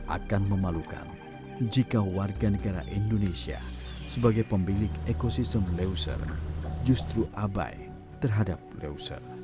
akan memalukan jika warga negara indonesia sebagai pemilik ekosistem leuser justru abai terhadap leuser